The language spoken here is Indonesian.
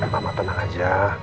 mama tenang aja